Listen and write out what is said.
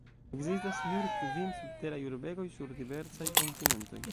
Ekzistas nur kvin subteraj urbegoj, sur diversaj kontinentoj.